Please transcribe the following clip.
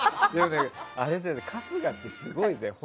春日って、すごいんだよ。